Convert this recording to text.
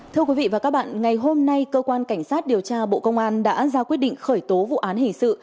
thưa quý vị và các bạn ngày hôm nay cơ quan cảnh sát điều tra bộ công an đã ra quyết định khởi tố vụ án hình sự